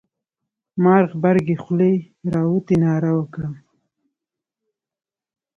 مار غبرگې خولې را وتې ناره وکړه.